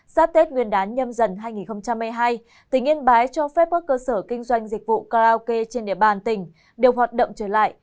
sát tết nguyên đán nhâm dần hai nghìn hai mươi hai tỉnh yên bái cho phép các cơ sở kinh doanh dịch vụ karaoke trên địa bàn tỉnh đều hoạt động trở lại